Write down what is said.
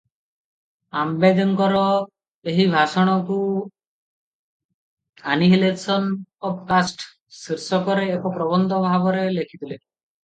"ଆମ୍ବେଦକର ଏହି ଭାଷଣକୁ "annihilation of caste" ଶୀର୍ଷକରେ ଏକ ପ୍ରବନ୍ଧ ଭାବରେ ଲେଖିଥିଲେ ।"